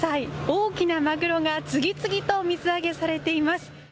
大きなマグロが次々と水揚げされています。